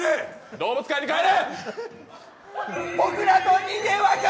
動物界に帰れ！